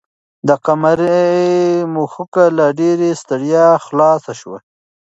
د قمرۍ مښوکه له ډېرې ستړیا خلاصه شوه.